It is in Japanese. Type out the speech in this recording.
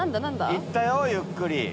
行ったよゆっくり。